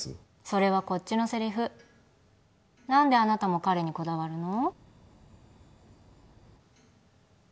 それはこっちのセリフ何であなたも彼にこだわるの？